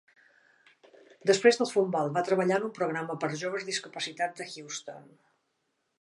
Després del futbol, va treballar en un programa pels joves discapacitats de Houston.